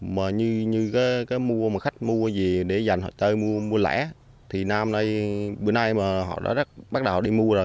mà như cái mua mà khách mua gì để dành họ tới mua lẻ thì năm nay bữa nay mà họ đã bắt đầu đi mua rồi